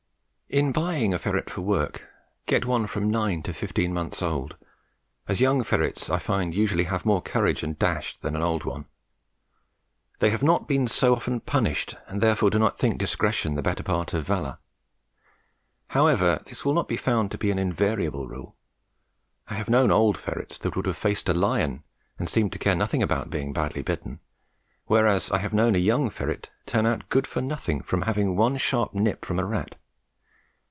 In buying a ferret for work, get one from nine to fifteen months old, as young ferrets I find usually have more courage and dash than an old one. They have not been so often punished and therefore do not think discretion the better part of valour. However this will not be found to be an invariable rule. I have known old ferrets that would have faced a lion and seemed to care nothing about being badly bitten; whereas I have known a young ferret turn out good for nothing from having one sharp nip from a rat.